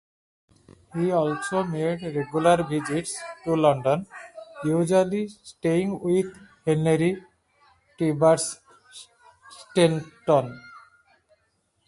He also made regular visits to London, usually staying with Henry Tibbats Stainton.